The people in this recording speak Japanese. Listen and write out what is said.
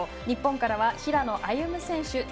日本からは平野歩夢選手